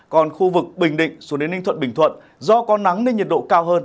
còn khu vực bình định xuống đến ninh thuận bình thuận do có nắng nên nhiệt độ cao hơn